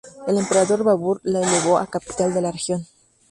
El emperador Babur la elevó a capital de la región.